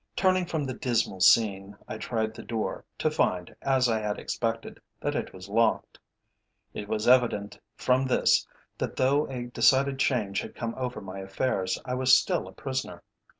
Turning from the dismal scene, I tried the door, to find, as I had expected, that it was locked. It was evident from this that though a decided change had come over my affairs, I was still a prisoner.